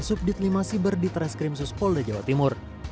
subdit lima siber di teres krimsus polda jawa timur